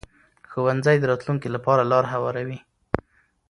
ښوونځی د راتلونکي لپاره لار هواروي